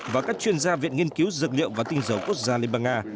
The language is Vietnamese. và các chuyên gia viện nghiên cứu dược liệu và tinh dầu quốc gia liên bang nga